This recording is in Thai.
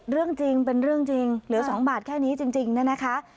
เรื่องจริงเป็นเรื่องจริงเหลือ๒บาทแค่นี้จริงนะคะ